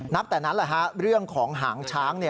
แต่นั้นเรื่องของหางช้าง